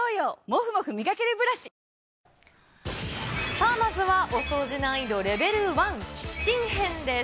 さあ、まずはお掃除難易度レベル１、キッチン編です。